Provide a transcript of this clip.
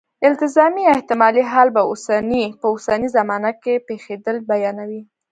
التزامي یا احتمالي حال په اوسنۍ زمانه کې پېښېدل بیانوي.